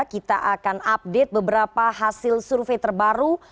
kita akan update beberapa hasil survei terbaru